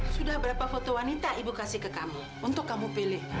sudah berapa foto wanita ibu kasih ke kamu untuk kamu pilih